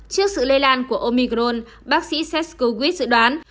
trước sự lây lan của omicron bác sĩ seth kukwit dự đoán